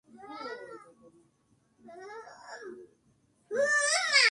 বড় বড় নেতৃস্থানীয় মানুষ সাখরের অনুসরণ করে থাকে।